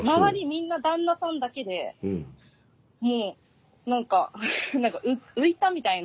みんな旦那さんだけでもう何か何か浮いたみたいな。